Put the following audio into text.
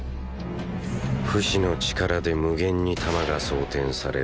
フシの力で無限に弾が装填される